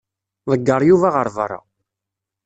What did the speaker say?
Ḍegger Yuba ɣer beṛṛa.